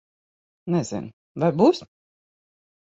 Nezinu. Vai būs?